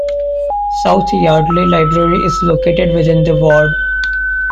South Yardley Library is located within the ward.